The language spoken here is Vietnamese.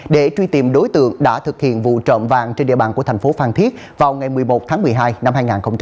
để truy tìm đối tượng đã thực hiện vụ trộm vàng trên địa bàn của thành phố phan thiết vào ngày một mươi một tháng một mươi hai năm hai nghìn hai mươi ba